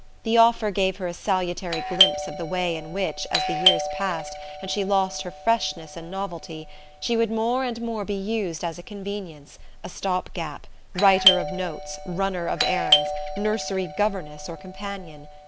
The offer gave her a salutary glimpse of the way in which, as the years passed, and she lost her freshness and novelty, she would more and more be used as a convenience, a stop gap, writer of notes, runner of errands, nursery governess or companion.